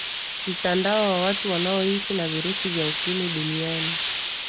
mtandao wa watu wanaoishi na virusi vya ukimwi duniani